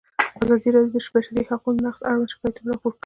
ازادي راډیو د د بشري حقونو نقض اړوند شکایتونه راپور کړي.